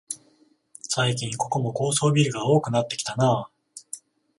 最近ここも高層ビルが多くなってきたなあ